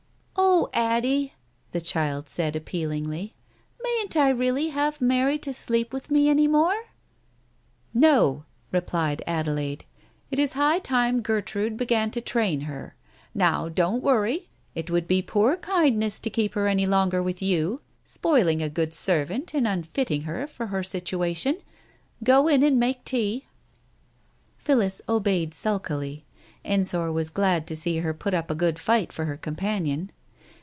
"Oh, Addie !" the child said appealingly. "Mayn't I really have Mary to sleep with me any more ?" "No," replied Adelaide. "It is high time Gertrude began to train her. ... Now, don't worry, it would be poor kindness to keep her any longer with you, spoiling a good servant and unfitting her for her station. Go in and make tea." Phillis obeyed sulkily. Ensor was glad to see her put up a good fight for her companion.